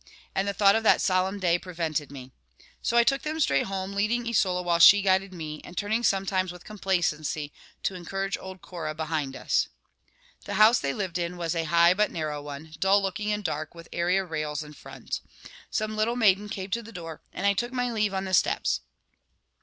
and the thought of that solemn day prevented me. So I took them straight home, leading Isola while she guided me, and turning sometimes, with complacency, to encourage old Cora behind us. The house they lived in was a high but narrow one, dull looking and dark, with area rails in front. Some little maiden came to the door, and I took my leave on the steps.